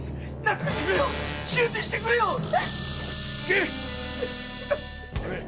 落ち着け！